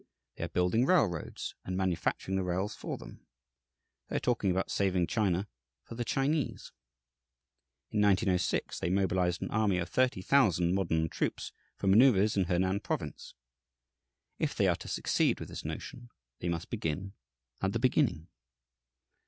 They are building railroads, and manufacturing the rails for them. They are talking about saving China "for the Chinese." In 1906 they mobilized an army of 30,000 "modern" troops for manoeuvres in Honan Province. If they are to succeed with this notion, they must begin at the beginning.